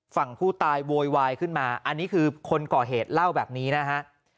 ฝั่งผู้ตายโวยวายขึ้นมาอันนี้คือคนก่อเหตุเล่าแบบนี้นะฮะ